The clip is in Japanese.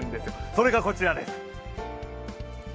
それがこちらです。